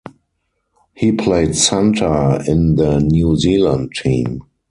He played center in the New-Zealand team.